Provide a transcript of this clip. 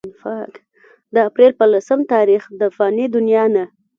د اپريل پۀ لسم تاريخ د فاني دنيا نه